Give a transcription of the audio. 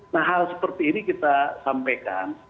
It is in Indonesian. nah hal seperti ini kita sampaikan